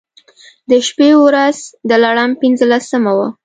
د شبې و رځ د لړم پنځلسمه وه.